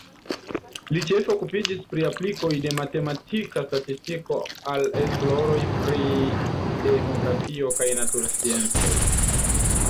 Li ĉefe okupiĝis pri aplikoj de matematika statistiko al esploroj pri demografio kaj natursciencoj.